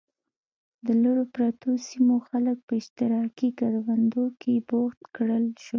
د لرو پرتو سیمو خلک په اشتراکي کروندو کې بوخت کړل شول.